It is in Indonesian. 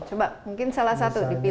coba mungkin salah satu dipilih